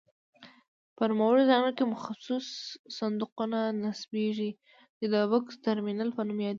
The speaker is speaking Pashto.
په نوموړو ځایونو کې مخصوص صندوقونه نصبېږي چې د بکس ترمینل په نوم یادیږي.